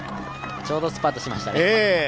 ちょうどスパートしましたね。